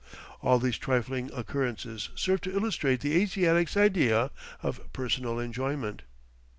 All these trifling occurrences serve to illustrate the Asiatic's idea of personal enjoyment.